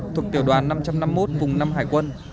thuộc tiểu đoàn năm trăm năm mươi một vùng năm hải quân